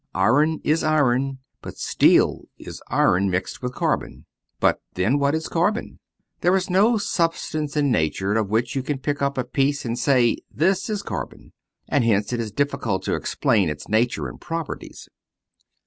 Iron is iron; but steel is iron mixed with carbon. But, then, what is carbon? There is no substance in nature of which you can pick up a piece and say, This is carbon. And hence it is difficult to explain its nature and properties.